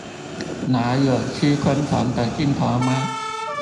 那有吃昆蟲的鏡頭嗎？